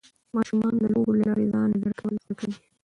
ماشومان د لوبو له لارې ځان اداره کول زده کوي.